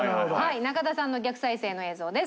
中田さんの逆再生の映像です。